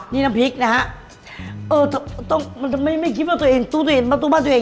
นี่น้ำพริกนะฮะ